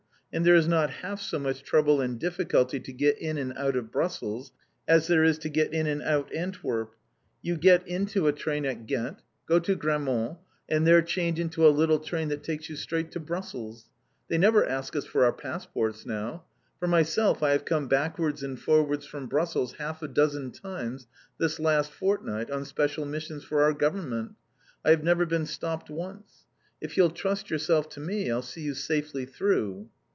And there is not half so much trouble and difficulty to get in and out of Brussels as there is to get in and out Antwerp. You get into a train at Ghent, go to Grammont, and there change into a little train that takes you straight to Brussels. They never ask us for our passports now. For myself, I have come backwards and forwards from Brussels half a dozen times this last fortnight on special missions for our Government. I have never been stopped once. If you'll trust yourself to me, I'll see you safely through!"